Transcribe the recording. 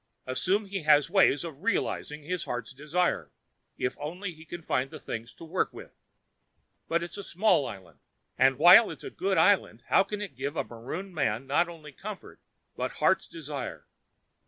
Assume he has ways of realizing his heart's desire, if only he can find the things to work with. But it's a small island. And while it's a good island how can it give a marooned man not only comfort but heart's desire?